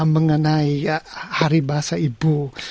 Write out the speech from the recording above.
mengenai hari bahasa ibu